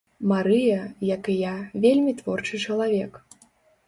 Марыя, як і я, вельмі творчы чалавек.